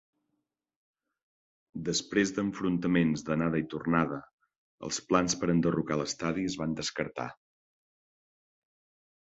Després d'enfrontaments d'anada i tornada, els plans per enderrocar l'estadi es van descartar.